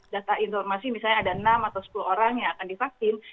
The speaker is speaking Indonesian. data informasi misalnya ada enam atau sepuluh orang yang akan divaksin